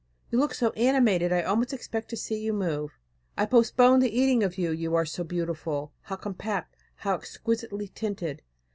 You look so animated I almost expect to see you move. I postpone the eating of you, you are so beautiful! How compact; how exquisitely tinted!